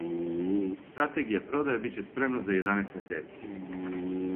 Стратегија продаје биће спремна за једанаест месеци.